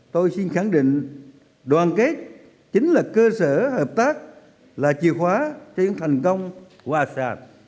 tôi xin khẳng định đoàn kết chính là cơ sở hợp tác là chìa khóa cho những thành công hòa sạp